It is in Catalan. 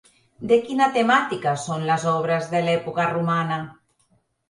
De quina temàtica són les obres de l'època romana?